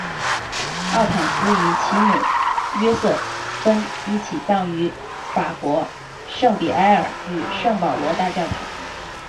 奥坦丝与其母约瑟芬一起葬于法国圣皮埃尔与圣保罗大教堂。